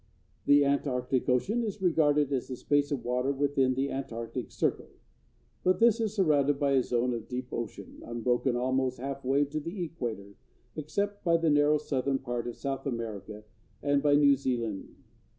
The Antarctic Ocean is regarded as the space of water within the Antarctic circle; but this is surrounded by a zone of deep ocean, unbroken almost half way to the equator, except by the narrow southern part of South America and by New Zealand.